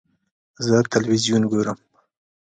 زه تلویزیون ګورم.